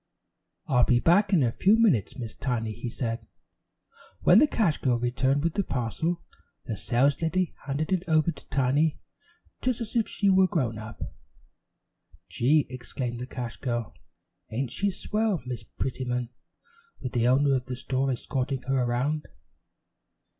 "I'll be back in a few minutes, Miss Tiny," he said. When the cash girl returned with the parcel, the saleslady handed it over to Tiny just as if she were grown up. "Gee," exclaimed the cash girl, "ain't she swell, Miss Prettyman, with the owner of the store escorting her around!"